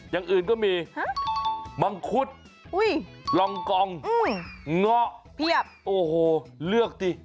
อ้ออย่างอื่นก็มีมังคุดลองกองง๊อโอ้โหเลือกดิ